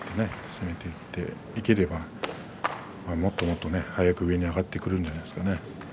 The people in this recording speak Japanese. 攻めていければもっともっと早く上に上がってくるんじゃないでしょうかね。